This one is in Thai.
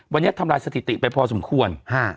วันนี้ทำลายสถิติไปพอสมควร